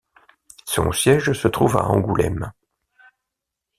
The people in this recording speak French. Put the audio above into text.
Son siège se trouve à Angoulême.